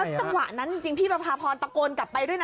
ใช่แล้วตั้งหวะนั้นจริงจริงพี่ประพาพรตะโกนกลับไปด้วยนะ